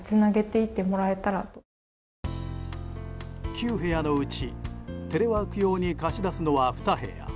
９部屋のうち、テレワーク用に貸し出すのは２部屋。